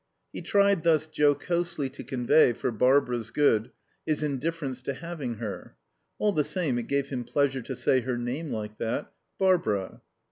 He tried thus jocosely to convey, for Barbara's good, his indifference to having her. All the same, it gave him pleasure to say her name like that: "Barbara."